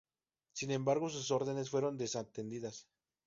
Sin embargo, sus órdenes fueron desatendidas.